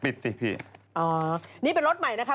โอ้โฮพี่หนุ่มขอให้ถ่ายมา